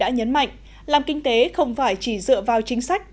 đã nhấn mạnh làm kinh tế không phải chỉ dựa vào chính sách